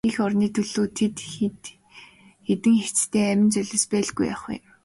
Эх орны төлөө тэр хэдэн хятадын амин золиос байлгүй яах вэ?